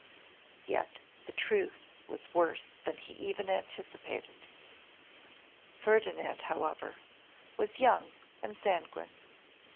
Yet the truth was worse even than he had anticipated. Ferdinand, however, was young and sanguine.